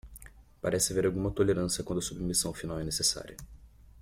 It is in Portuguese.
Parece haver alguma tolerância quando a submissão final é necessária.